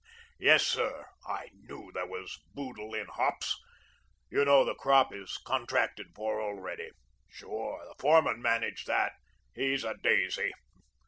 Yes, sir. I KNEW there was boodle in hops. You know the crop is contracted for already. Sure, the foreman managed that. He's a daisy.